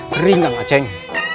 sering kang maceng